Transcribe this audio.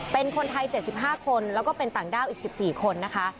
เป็นคนไทยเจ็ดสิบห้าคนแล้วก็เป็นต่างด้าวอีกสิบสี่คนนะคะ